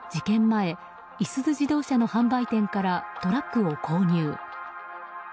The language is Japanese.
前いすゞ自動車の販売店からトラックを購入。